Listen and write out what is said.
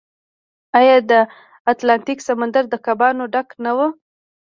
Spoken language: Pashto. آیا د اتلانتیک سمندر د کبانو ډک نه و؟